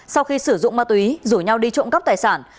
sau khi sử dụng ma túy rủ nhau đi trộm cắp tài sản